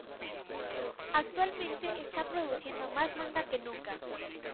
Actualmente está produciendo más manga que nunca.